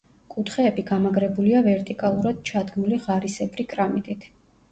კუთხეები გამაგრებულია ვერტიკალურად ჩადგმული ღარისებრი კრამიტით.